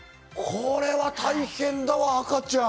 これは大変だわ、赤ちゃん。